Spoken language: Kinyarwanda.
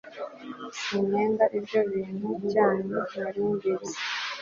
sinkenga ibyo bintu byanyu narimbizi